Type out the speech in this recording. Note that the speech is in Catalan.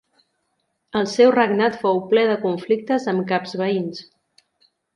El seu regnat fou ple de conflictes amb caps veïns.